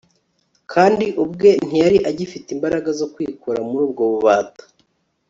kandi ubwe ntiyari agifite imbaraga zo kwikura muri ubwo bubata